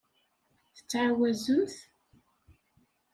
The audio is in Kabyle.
Tettɛawazemt?